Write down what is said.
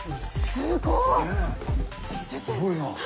すごいな。